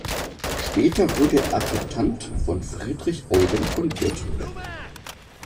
Später wurde er Adjutant von Friedrich Eugen von Württemberg.